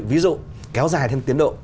ví dụ kéo dài thêm tiến độ